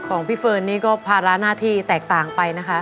ของพี่เฟิร์นนี่ก็ภาระหน้าที่แตกต่างไปนะคะ